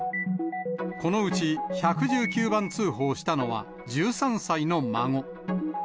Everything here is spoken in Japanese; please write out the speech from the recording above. このうち、１１９番通報したのは１３歳の孫。